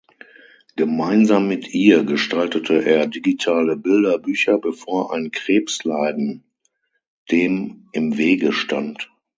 Gemeinsam mit ihr gestaltete er digitale Bilderbücher, bevor ein Krebsleiden dem im Wege stand.